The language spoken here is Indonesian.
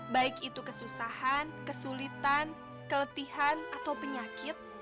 baik itu kesusahan kesulitan keletihan atau penyakit